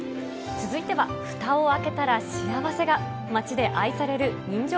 続いては、ふたを開けたら幸せが。